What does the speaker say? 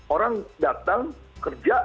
orang datang kerja